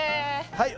はい。